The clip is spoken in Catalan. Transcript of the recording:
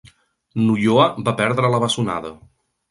N'Ulloa va perdre la bessonada.